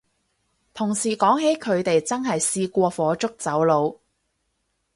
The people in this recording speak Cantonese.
同事講起佢哋真係試過火燭走佬